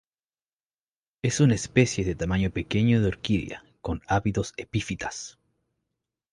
Es una especie de tamaño pequeño de orquídea con hábitos epífitas.